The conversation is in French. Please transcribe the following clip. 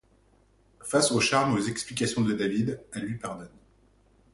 Face au charme et aux explications de David, elle lui pardonne.